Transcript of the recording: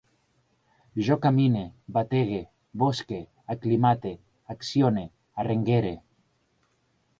Jo camine, batege, bosque, aclimate, accione, arrenguere